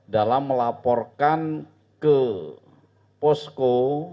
dalam melaporkan ke posko